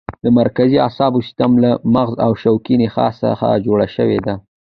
د مرکزي اعصابو سیستم له مغز او شوکي نخاع څخه جوړ شوی دی.